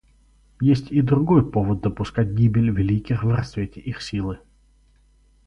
Есть и другой повод допускать гибель великих в расцвете их силы.